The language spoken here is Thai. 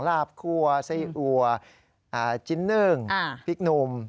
ลาบคั่วไส้อัวจิ้นนึ่งพริกหนุ่ม